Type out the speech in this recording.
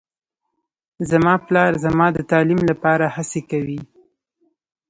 زما پلار زما د تعلیم لپاره هڅې کوي